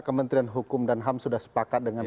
kementerian hukum dan ham sudah sepakat dengan